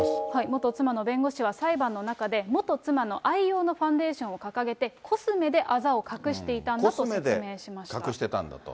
元妻の弁護士は裁判で、元妻の愛用のファンデーションを掲げてコスメであざを隠してたんコスメで隠してたんだと。